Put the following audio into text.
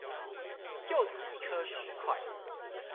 柚子一顆十塊